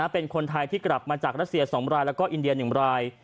เป็นคนไทยที่กลับมาจากรัสเซีย๒รายแล้วก็อินเดีย๑ราย